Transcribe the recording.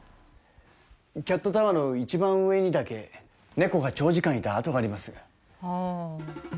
キャットタワーの一番上にだけネコが長時間いた跡があります